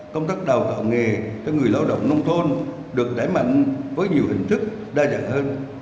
công tác đào tạo nghề cho người lao động nông thôn được đẩy mạnh với nhiều hình thức đa dạng hơn